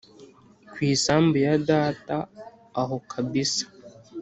kw’isambu ya data aho kabisa